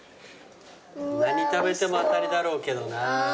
何食べても当たりだろうけどな。